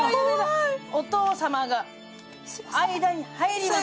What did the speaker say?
お父様が間に入ります。